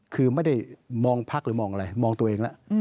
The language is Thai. คือไม่ได้มองพักหรือมองอะไรมองตัวเองแล้ว